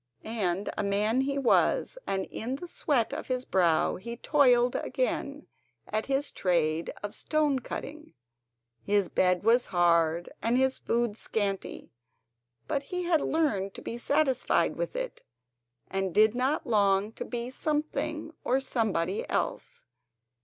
And a man he was, and in the sweat of his brow he toiled again at his trade of stone cutting. His bed was hard and his food scanty, but he had learned to be satisfied with it, and did not long to be something or somebody else.